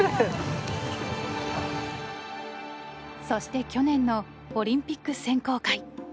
そして去年のオリンピック選考会。